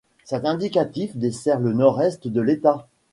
Cet indicatif dessert le nord-est de l'État.